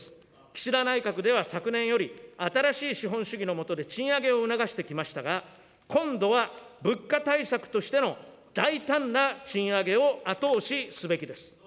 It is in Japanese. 岸田内閣では昨年より、新しい資本主義の下で賃上げを促してきましたが、今度は物価対策としての大胆な賃上げを後押しすべきです。